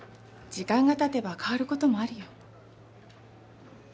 時間がたてば変わることもあるよ。